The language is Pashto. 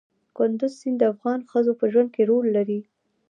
کندز سیند د افغان ښځو په ژوند کې رول لري.